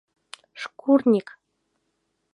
Шкурник!